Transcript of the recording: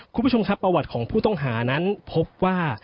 คุณผู้ชมครับประวัติของผู้ต้องหานั้นพบว่า